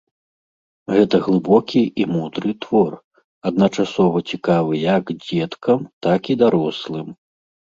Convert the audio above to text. Гэта глыбокі і мудры твор, адначасова цікавы як дзеткам, так і для дарослым.